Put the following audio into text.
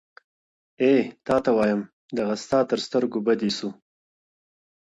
o اې تاته وايم دغه ستا تر سترگو بـد ايسو.